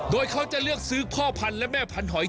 โดยเขาจะเลือกซื้อพ่อพันธุ์และแม่พันธอย